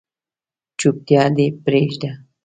چوپتیا دې پریږده